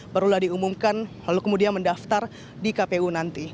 barulah diumumkan lalu kemudian mendaftar di kpu nanti